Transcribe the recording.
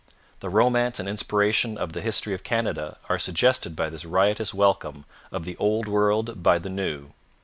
The romance and inspiration of the history of Canada are suggested by this riotous welcome of the Old World by the New.